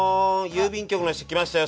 郵便局の人来ましたよ」